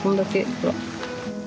ほら。